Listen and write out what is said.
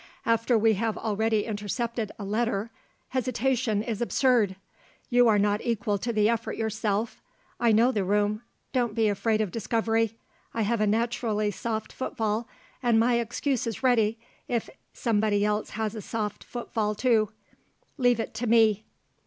After we have already intercepted a letter, hesitation is absurd! You are not equal to the effort yourself. I know the room. Don't be afraid of discovery; I have a naturally soft footfall and my excuse is ready, if somebody else has a soft footfall too. Leave it to me."